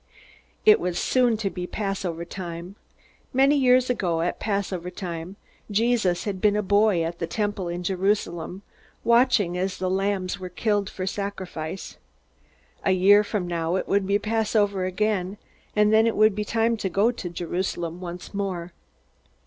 It was soon to be Passover time. Many years ago, at Passover time, Jesus had been a boy at the Temple in Jerusalem, watching as the lambs were killed for a sacrifice. A year from now it would be Passover again. And then it would be time to go to Jerusalem once more.